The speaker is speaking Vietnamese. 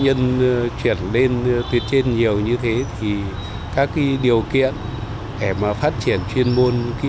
nhân chuyển lên tuyến trên nhiều như thế thì các cái điều kiện để mà phát triển chuyên môn kỹ